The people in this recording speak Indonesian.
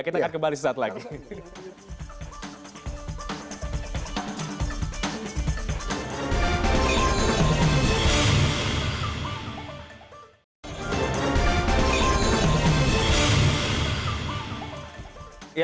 kita akan kembali sesaat lagi